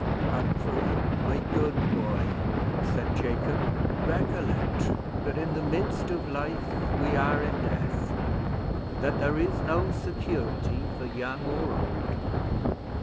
"Humphrey, my good boy," said Jacob, "recollect, that in the midst of life we are in death; and that there is no security for young or old.